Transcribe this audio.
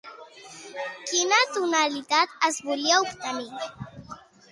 Quina tonalitat es volia obtenir?